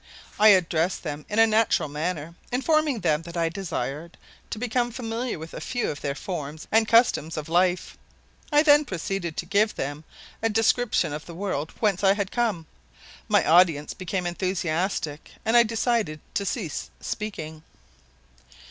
I addressed them in a natural manner, informing them that I desired to become familiar with a few of their forms and customs of life. I then proceeded to give them a description of the world whence I had come. My audience became enthusiastic and I decided to cease speaking.